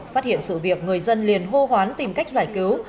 phát hiện sự việc người dân liền hô hoán tìm cách giải cứu